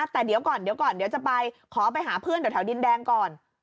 แต่เดี๋ยวก่อนเดี๋ยวก่อนเดี๋ยวจะไปขอไปหาเพื่อนแถวดินแดงก่อน